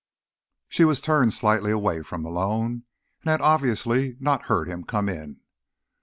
She was turned slightly away from Malone, and had obviously not heard him come in.